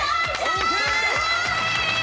ＯＫ！